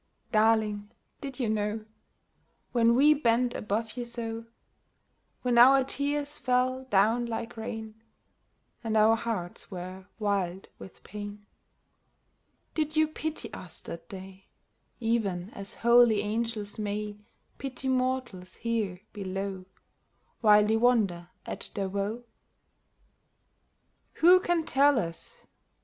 — Darling, did you know When we bent above you so ? When our tears fell down like rain, And our hearts were wild with pain ? Did you pity us that day, Even as holy angels may Pity mortals here below, While they wonder at their woe ? Who can tell us